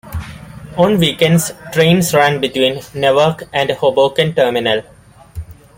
On weekends, trains ran between Newark and Hoboken Terminal.